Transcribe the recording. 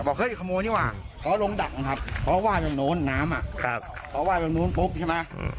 เปล่าเฮ้ยขโมยนี่หว่าเขาลงดังครับเขาว่าจากนโน้นน้ำมักเจ้าว่าจากนู้นปุ๊บใช่ไหม